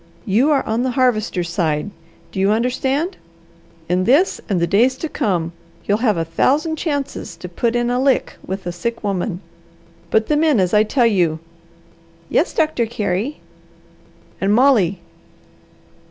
YOU ARE ON THE HARVESTER'S SIDE. Do you understand? In this, and the days to come, you'll have a thousand chances to put in a lick with a sick woman. Put them in as I tell you." "Yes, Doctor Carey." "And Molly!